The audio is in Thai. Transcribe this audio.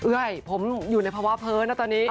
เอ้ยผมอยู่ในภาวะเพ้อนะตอนนี้